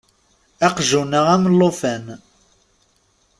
Aqjun-a am llufan.